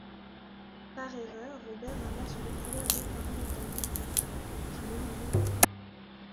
Par erreur Robert inverse les couleurs d'épingle d'un jeune couple... qui meurt le lendemain.